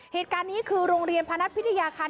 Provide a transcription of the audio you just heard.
เหตุการณ์นี้คือโรงเรียนพนัทพิทยาคัน